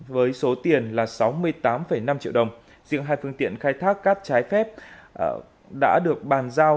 với số tiền là sáu mươi tám năm triệu đồng riêng hai phương tiện khai thác cát trái phép đã được bàn giao